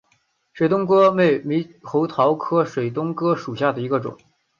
水东哥为猕猴桃科水东哥属下的一个种。